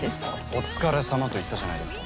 お疲れさまと言ったじゃないですか。